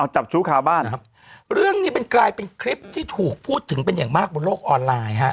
จับชู้คาบ้านนะครับเรื่องนี้เป็นกลายเป็นคลิปที่ถูกพูดถึงเป็นอย่างมากบนโลกออนไลน์ฮะ